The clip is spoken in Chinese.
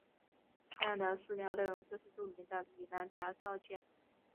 这样的四条内容就是著名的米兰达告诫。